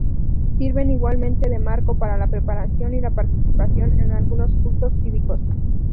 Sirven igualmente de marco para la preparación y la participación en algunos cultos cívicos.